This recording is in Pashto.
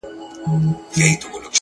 د مجسمې انځور هر ځای ځوړند ښکاري،